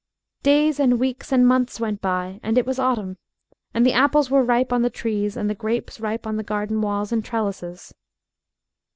Days and weeks and months went by and it was autumn, and the apples were ripe on the trees, and the grapes ripe on the garden walls and trellises.